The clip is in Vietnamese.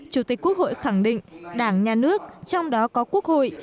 chủ tịch quốc hội khẳng định đảng nhà nước trong đó có quốc hội